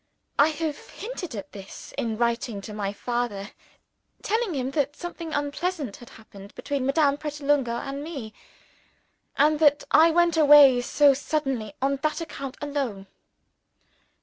I have hinted at this in writing to my father; telling him that something unpleasant had happened between Madame Pratolungo and me, and that I went away so suddenly, on that account alone.